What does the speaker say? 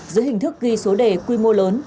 giữa hình thức ghi số đề quy mô lớn